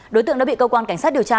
đối tượng đã bị cơ quan cảnh sát điều tra